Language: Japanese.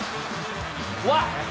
うわっ。